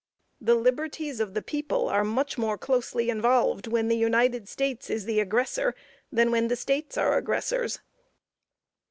The liberties of the people are much more closely involved when the United States is the aggressor, than when the States are aggressors.